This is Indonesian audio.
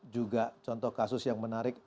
juga contoh kasus yang menarik